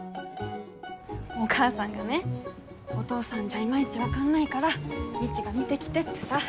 お母さんがねお父さんじゃいまいち分かんないから未知が見てきてってさ。